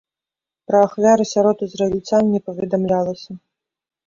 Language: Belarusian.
Пра ахвяры сярод ізраільцян не паведамлялася.